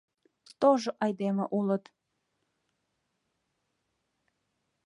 Тожо айдеме улыт!